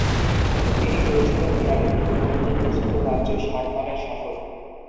তিনি হয়েছিলেন মিরাটের নিকটবর্তী একটি ছোট রাজ্য সারধনের শাসক।